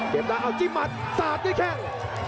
เก็บได้เอาจิ้มมัดสาบด้วยแข้ง